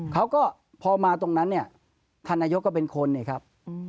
เขาก็พอมาตรงนั้นเนี่ยท่านนายกก็เป็นคนเนี่ยครับ